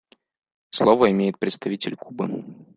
Слово имеет представитель Кубы.